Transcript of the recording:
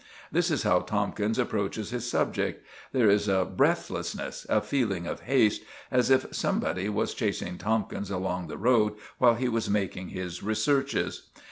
This is how Tomkins approaches his subject. There is a breathlessness, a feeling of haste, as if somebody was chasing Tomkins along the road while he was making his researches.